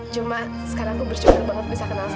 cuma sekarang aku bersyukur banget bisa kenal sama